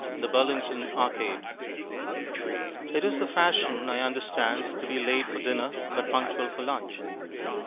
The Burlington Arcade It is the fashion, I understand, to be late for dinner, but punctual for lunch.